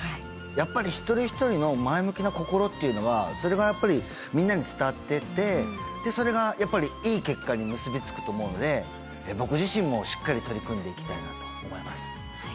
やっぱり一人一人の前向きな心っていうのはそれがやっぱりみんなに伝わっていってそれがやっぱりいい結果に結び付くと思うので僕自身もしっかり取り組んでいきたいなと思います。